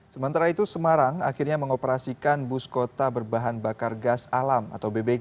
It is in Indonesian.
sementara itu semarang akhirnya mengoperasikan bus kota berbahan bakar gas alam atau bbg